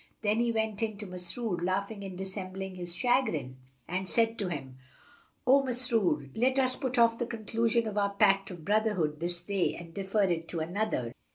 Then he went in to Masrur, laughing and dissembling his chagrin, and said to him, "O Masrur, let us put off the conclusion of our pact of brotherhood this day and defer it to another."